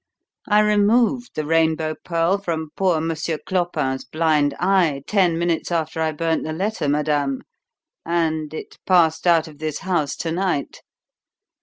I removed the Rainbow Pearl from poor Monsieur Clopin's blind eye ten minutes after I burnt the letter, madame, and it passed out of this house to night!